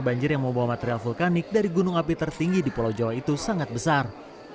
banjir yang membawa material vulkanik dari gunung api tertinggi di pulau jawa itu sangat besar